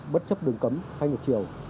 bất chấp đường cấm hay ngược chiều